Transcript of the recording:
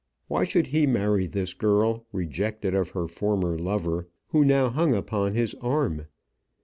Why should he marry this girl, rejected of her former lover, who now hung upon his arm?